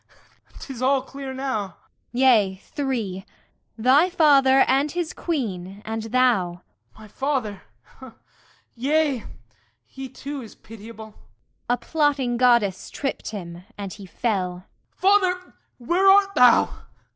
'Tis all clear now. ARTEMIS Yea, three; thy father and his Queen and thou. HIPPOLYTUS My father; yea, he too is pitiable! ARTEMIS A plotting Goddess tripped him, and he fell. HIPPOLYTUS Father, where art thou?